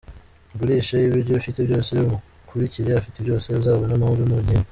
Ugurishe ibyo ufite byose umukurikire afite byose uzabona amahoro n'ubugingo .